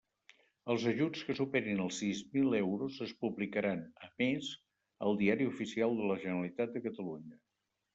Els ajuts que superin els sis mil euros es publicaran, a més, al Diari Oficial de la Generalitat de Catalunya.